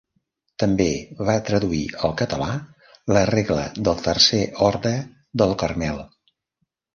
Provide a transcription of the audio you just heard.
També va traduir al català la regla del Tercer Orde del Carmel.